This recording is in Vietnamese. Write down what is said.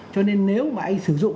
cho nên nếu mà anh sử dụng